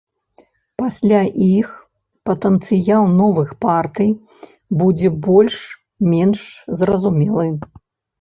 Пасля іх патэнцыял новых партый будзе больш-менш зразумелы.